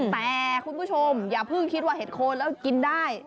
แต่คุณผู้ชมอย่าเพิ่งคิดว่าเห็ดโคนแล้วกินได้